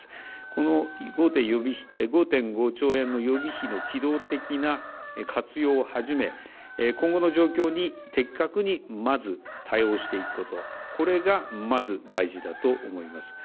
この５．５兆円の予備費の機動的な活用をはじめ今後の状況に的確にまず対応していくことこれがまず大事だと思います。